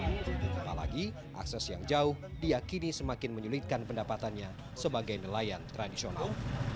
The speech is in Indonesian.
apalagi akses yang jauh diakini semakin menyulitkan pendapatannya sebagai nelayan tradisional